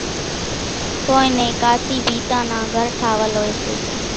ڪونئين نين ڪاسِي ڀيتان نان گھر ٺاوَل هوئيَ سي۔